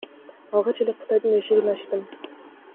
Алгач эле Кытайдын эшигин ачтым.